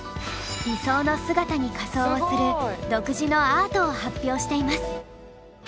理想の姿に仮装をする独自のアートを発表しています。